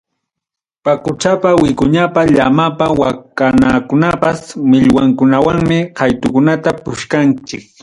Paquchapa, wikuñapa, llamapa, wanakupapas millmanwankunawanmi qaytukunata puchkanchik.